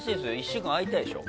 １週間空いたでしょ。